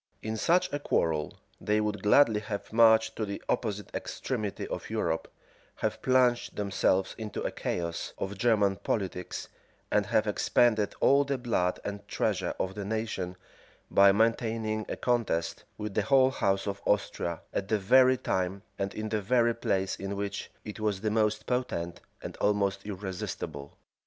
In such a quarrel they would gladly have marched to the opposite extremity of Europe, have plunged themselves into a chaos of German politics, and have expended all the blood and treasure of the nation, by maintaining a contest with the whole house of Austria, at the very time and in the very place in which it was the most potent, and almost irresistible.